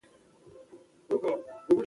ملاله یو ځل بیا پر لوړ ځای ودرېده.